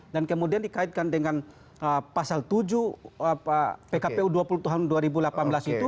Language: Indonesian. kemudian dikaitkan dengan pasal tujuh pkpu dua puluh tahun dua ribu delapan belas itu